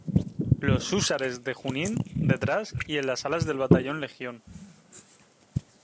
Los Húsares de Junín, detrás y en las alas del batallón Legión.